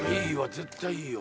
絶対いいよ。